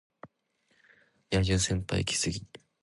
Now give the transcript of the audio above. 野獣先輩イキスギ